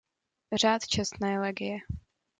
Řád čestné legie.